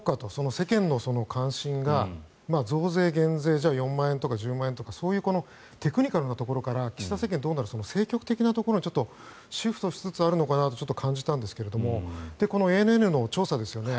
世間の関心が増税、減税４万円とか１０万円とかテクニカルなところから岸田政権どうなる政局的なところにシフトしつつあるのかなとちょっと感じたんですがこのＡＮＮの調査ですよね。